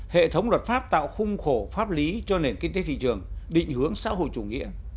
hệ thống luật pháp tạo khung khổ pháp lý cho nền kinh tế thị trường định hướng xã hội chủ nghĩa